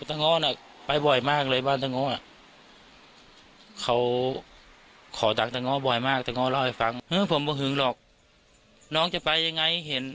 อ่ะนี่เรียกต้องเริ่มสอบทำชัยป่ะท่า